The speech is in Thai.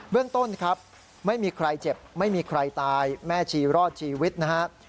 เรื่องต้นครับไม่มีใครเจ็บไม่มีใครตายแม่ชีรอดชีวิตนะครับ